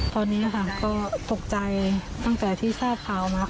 ตอนนี้ค่ะก็ตกใจตั้งแต่ที่ทราบข่าวมา